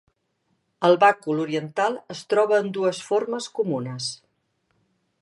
El bàcul oriental es troba en dues formes comunes.